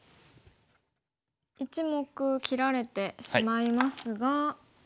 １目切られてしまいますが。